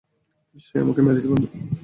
সে আমাকে মেরেছে, বন্ধু!